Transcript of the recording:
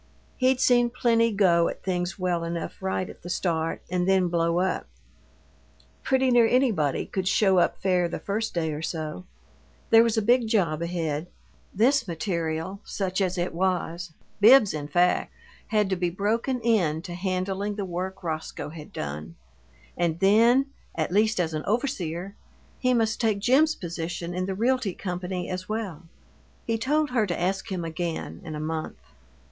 He'd seen plenty go at things well enough right at the start and then blow up. Pretty near anybody could show up fair the first day or so. There was a big job ahead. This material, such as it was Bibbs, in fact had to be broken in to handling the work Roscoe had done; and then, at least as an overseer, he must take Jim's position in the Realty Company as well. He told her to ask him again in a month.